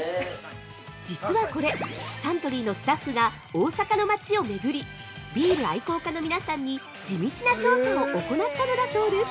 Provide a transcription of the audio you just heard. ◆実はこれ、サントリーのスタッフが大阪の町を巡りビール愛好家の皆さんに地道な調査を行ったのだそうです。